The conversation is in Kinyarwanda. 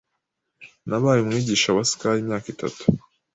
Nabaye umwigisha wa ski imyaka itatu.